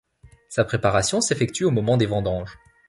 Sa préparation s'effectue au moment des vendanges.